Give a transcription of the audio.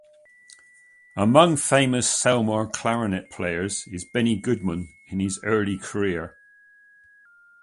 Among famous Selmer Clarinet players is Benny Goodman in his early career.